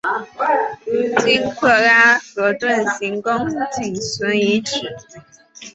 如今喀喇河屯行宫仅存遗址。